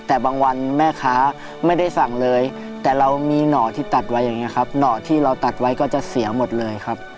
แต่บางวันแม่ค้าไม่ได้สั่งเลยแต่เรามีหน่อที่ตัดไว้อย่างนี้ครับหน่อที่เราตัดไว้ก็จะเสียหมดเลยครับ